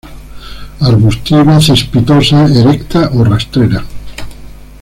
Arbustiva, cespitosa, erecta o rastrera.